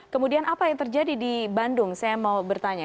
kemudian apa yang terjadi di bandung saya mau bertanya